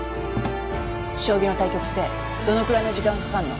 将棋の対局ってどのくらいの時間かかるの？